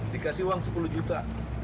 dikasih uang sepuluh juta